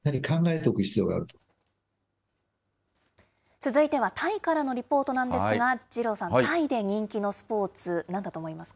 続いてはタイからのリポートなんですが、二郎さん、タイで人気のスポーツ、なんだと思いますか？